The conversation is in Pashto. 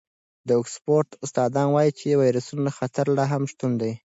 د اکسفورډ استادان وايي چې د وېروسونو خطر لا هم شتون لري.